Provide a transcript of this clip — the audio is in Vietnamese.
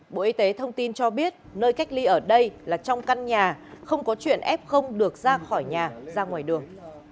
bộ y tế thông tin cho biết nơi cách ly ở đây là trong căn nhà không có chuyện f được ra khỏi nhà ra ngoài đường